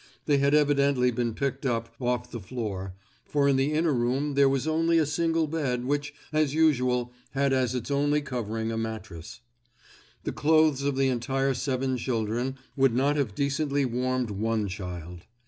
They had evidently been picked up off the floor, for in the inner room there was only a single bed which, as usual, had as its only covering a mattress. The clothes of the entire seven children would not have decently warmed one child.